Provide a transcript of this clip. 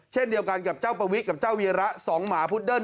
เช่นเดียวกันกับเจ้าประวิกับเจ้าเวียระสองหมาพุดเดิ้